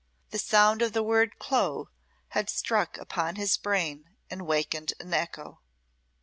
The sound of the word "Clo" had struck upon his brain and wakened an echo.